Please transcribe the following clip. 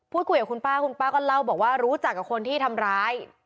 พูดคุยกับคุณป้าคุณป้าก็เล่าบอกว่ารู้จักกับคนที่ทำร้าย